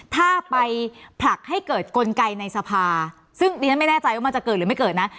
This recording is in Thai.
ถ้าไปผลักให้เกิดกลไกในสภาซึ่งดิฉันไม่แน่ใจว่ามันจะเกิดหรือไม่เกิดนะ